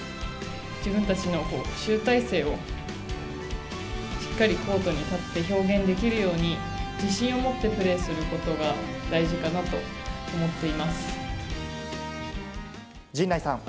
自分たちの集大成をしっかりコートに立って、表現できるように、自信を持ってプレーすること陣内さん。